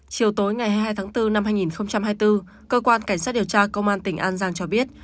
chiều tối ngày hai mươi hai tháng bốn năm hai nghìn hai mươi bốn cơ quan cảnh sát điều tra công an tỉnh an giang cho biết